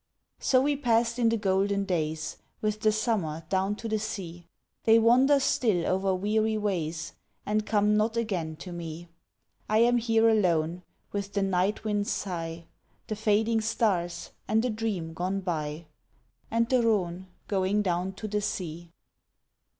So we passed in the golden days With the summer down to the sea. They wander still over weary ways, And come not again to me. I am here alone with the night wind's sigh, The fading stars, and a dream gone by, And the Rhone going down to the sea. 1880.